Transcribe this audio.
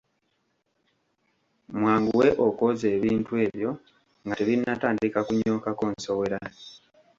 Mwanguwe okwoza ebintu ebyo nga tebinnatandika kunyookako nsowera.